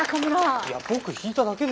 いや僕引いただけですから。